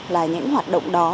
là những hoạt động đó